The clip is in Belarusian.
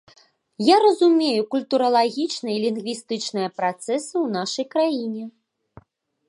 Я разумею культуралагічныя і лінгвістычныя працэсы ў нашай краіне.